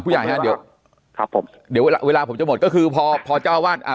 ผู้หญิงครับผมเดี๋ยวเวลาเวลาผมจะหมดก็คือพอพอเจ้าวาดอ่า